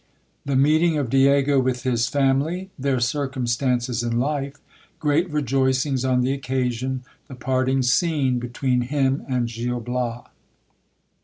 — The meeting of Diego with his family ; their circumstances in life ; great rejoicings on the occasion; the parting scene between him and Gil Bias.